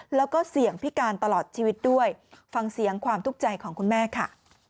แล้วก็เสี่ยงพิการตลอดชีวิตด้วยฟังเสียงความทุกข์ใจของคุณแม่ค่ะ